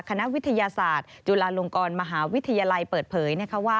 คณะวิทยาศาสตร์จุฬาลงกรมหาวิทยาลัยเปิดเผยนะคะว่า